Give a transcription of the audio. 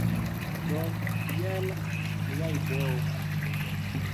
Do, jen mia ideo!